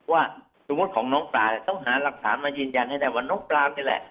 ว่าสมมุติของน้องปลาเนี่ยต้องหาหลักฐานมายืนยันให้ได้ว่าน้องปลานี่แหละ